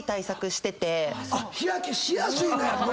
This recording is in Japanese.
日焼けしやすいの⁉やっぱり。